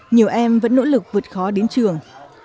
nhiều em vẫn nỗ lực vượt khó đến trường